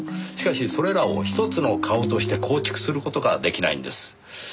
しかしそれらを一つの顔として構築する事が出来ないんです。